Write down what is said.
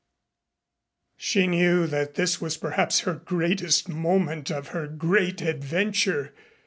She knew that this was perhaps the greatest moment of her great adventure.